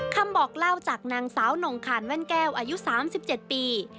คำบอกเล่าจากนางสาวนงคานแว่นแก้วอายุ๓๗ปี